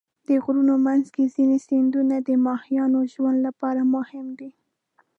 د غرونو منځ کې ځینې سیندونه د ماهیانو ژوند لپاره مهم دي.